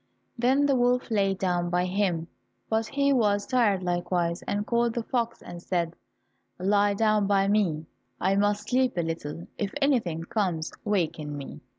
Then the wolf lay down by him, but he was tired likewise, and called the fox and said, "Lie down by me, I must sleep a little; if anything comes, waken me."